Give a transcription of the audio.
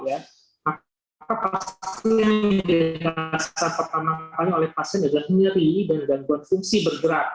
apakah pasien yang dikasar pertama kali oleh pasien adalah nyeri dan bergantungan fungsi bergerak